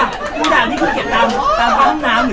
ภูด่างที่คุณเกียจตามตามพร้อมน้ำหรือยังไง